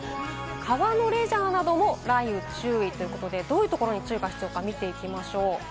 川のレジャーなども雷雨に注意ということで、どういうところに注意が必要か見ていきましょう。